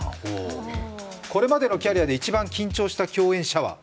これまでのキャリアで一番緊張した共演者は？